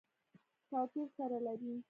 توپیر سره لري.